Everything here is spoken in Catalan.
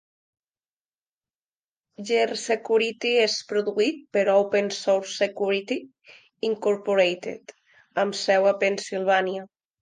Grsecurity és produït per Open Source Security, Incorporated, amb seu a Pennsylvania.